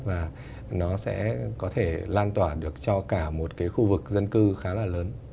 và nó sẽ có thể lan tỏa được cho cả một cái khu vực dân cư khá là lớn